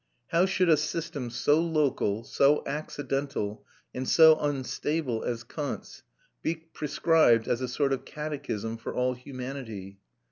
How should a system so local, so accidental, and so unstable as Kant's be prescribed as a sort of catechism for all humanity?